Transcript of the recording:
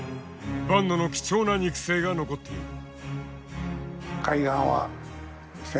坂野の貴重な肉声が残っている。